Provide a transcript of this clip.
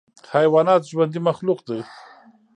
حیوانات ژوندی مخلوق دی.